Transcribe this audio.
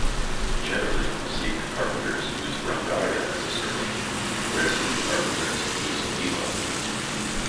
Generally, Sikh carpenters use "Ramgarhia" as a surname whereas Hindu carpenters use "Dhiman".